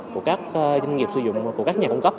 của các doanh nghiệp sử dụng của các nhà cung cấp